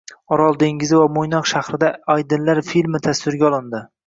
Orol dengizi va Mo‘ynoq haqida Aydinlar filmi tasvirga olindi